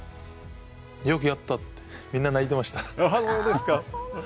よくやったってみんな、泣いていました。